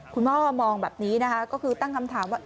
คุณพ่อมองแบบนี้นะคะก็คือตั้งคำถามว่า